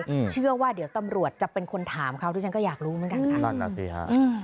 อืมเชื่อว่าเดี๋ยวตำรวจจะเป็นคนถามเขาที่ฉันก็อยากรู้เหมือนกันค่ะนั่นน่ะสิฮะอืม